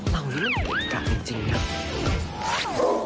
เรานี่มันเกะกะจริงนะ